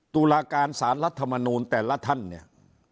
ตุลาการสารรัฐมนูลแต่ละท่านเนี่ย